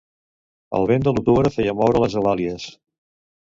El vent de l'octubre feia moure les eulàlies.